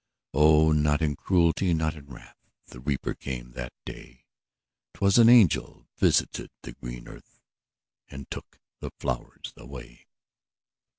O, not in cruelty, not in wrath, The Reaper came that day; 'Twas an angel visited the green earth, And took the flowers away.